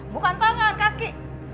bukan tangan kaki